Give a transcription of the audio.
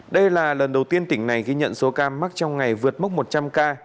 đây là lần đầu tiên tỉnh này ghi nhận số ca mắc trong ngày vượt mốc một trăm linh ca